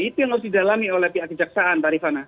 itu yang harus didalami oleh pihak kejaksaan dari sana